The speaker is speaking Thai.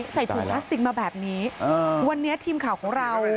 ใส่ถุงพลาสติกมาแบบนี้วันนี้ทีมข่าวของเรา